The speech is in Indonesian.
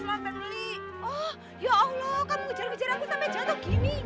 ya allah kamu ngejar ngejar aku sampai jatuh gini